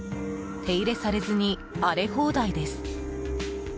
手入れされずに荒れ放題です。